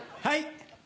はい。